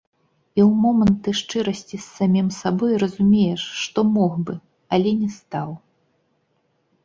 І ў моманты шчырасці з самім сабой разумееш, што мог бы, але не стаў.